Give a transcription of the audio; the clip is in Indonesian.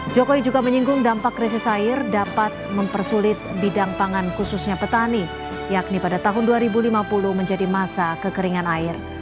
jokowi juga menyinggung dampak krisis air dapat mempersulit bidang pangan khususnya petani yakni pada tahun dua ribu lima puluh menjadi masa kekeringan air